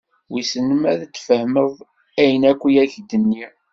Wissen ma ad d-tfehmeḍ ayen akka i ak-d-nniɣ.